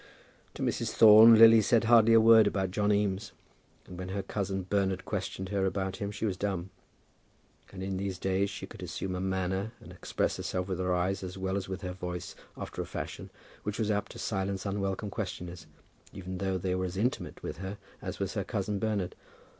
To Mrs. Thorne Lily said hardly a word about John Eames, and when her cousin Bernard questioned her about him she was dumb. And in these days she could assume a manner, and express herself with her eyes as well as with her voice, after a fashion, which was apt to silence unwelcome questioners, even though they were as intimate with her as was her cousin Bernard.